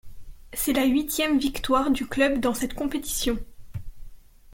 C'est la huitième victoire du club dans cette compétition.